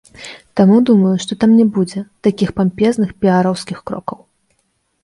Таму думаю, што там не будзе такіх пампезных піараўскіх крокаў.